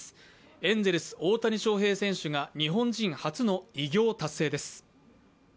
エンゼルス・大谷翔平選手が日本人初の偉業達成です。